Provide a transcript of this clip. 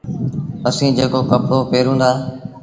اسيٚݩ جيڪو ڪپڙو پهرون دآ